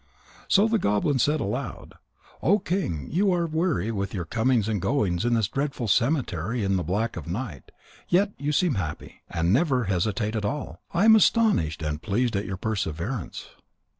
So the goblin said aloud: "O King, you are weary with your comings and goings in this dreadful cemetery in the black night, yet you seem happy, and never hesitate at all. I am astonished and pleased at your perseverance.